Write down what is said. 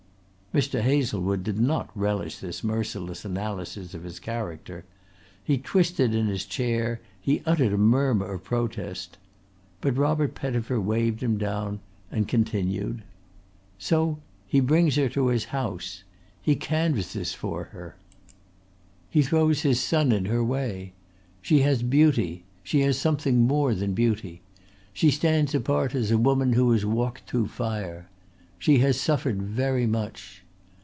Mr. Hazlewood did not relish this merciless analysis of his character. He twisted in his chair, he uttered a murmur of protest. But Robert Pettifer waved him down and continued: "So he brings her to his house. He canvasses for her. He throws his son in her way. She has beauty she has something more than beauty she stands apart as a woman who has walked through fire. She has suffered very much.